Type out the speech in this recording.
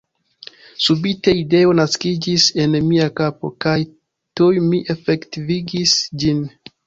Subite ideo naskiĝis en mia kapo kaj tuj mi efektivigis ĝin.